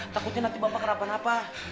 takutnya nanti bapak kenapa napa